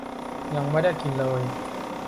ยังไม่ได้กินเลย